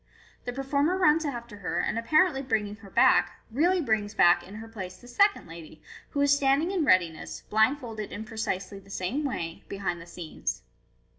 The performer runs after her, and apparently bringing her back, really brings back in her place the second lady, who is standing in readi ness, blindfolded in precisely the same way, behind the scenes.